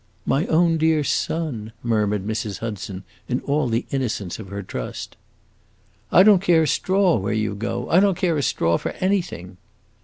"My own dear son!" murmured Mrs. Hudson in all the innocence of her trust. "I don't care a straw where you go! I don't care a straw for anything!"